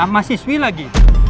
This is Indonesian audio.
masih swi lagi